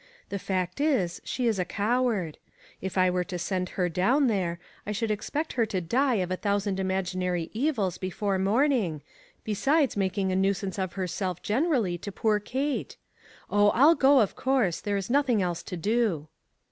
The fact is, she is a coward. If I were to send her down there, I should expect her to die of a thousand imaginary evils before morning, besides making a nuisance of herself generally to poor Kate. Oh, I'll go, of course; there is nothing else to do."